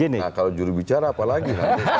nah kalau jurubicara apa lagi